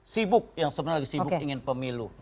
sibuk yang sebenarnya lagi sibuk ingin pemilu